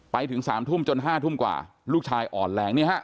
ไปถึง๓ทุ่มจน๕ทุ่มกว่าลูกชายอ่อนแรง